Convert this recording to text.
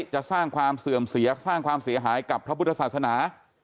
จะสร้างความเสื่อมเสียสร้างความเสียหายกับพระพุทธศาสนา